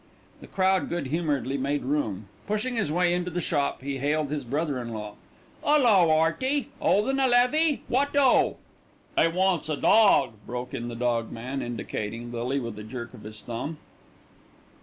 The crowd good humouredly made room. Pushing his way into the shop he hailed his brother in law. "'Ullo, 'Earty; 'oldin' a levée? What oh!" "'E wants a dawg," broke in the dog man, indicating Lily with a jerk of his thumb.